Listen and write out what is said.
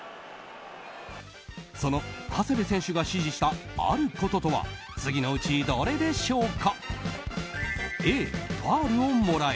その長谷部選手が指示したあることとは次のうち、どれでしょうか？